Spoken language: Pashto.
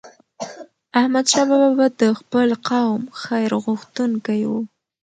احمدشاه بابا به د خپل قوم خیرغوښتونکی و.